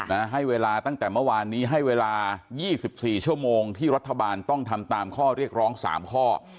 ให้เวลาตั้งแต่เมื่อวานนี้ให้เวลายี่สิบสี่ชั่วโมงที่รัฐบาลต้องทำตามข้อเรียกร้องสามข้อ